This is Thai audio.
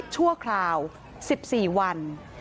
ชั่วคราว๑๔วัน